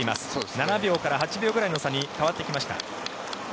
７秒から８秒ぐらいの差に変わってきました。